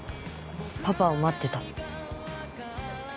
パパを待ってた。